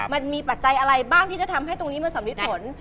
มันมีปัจจัยอะไรบ้างที่จะทำให้ตรงนี้มาสำเร็จผล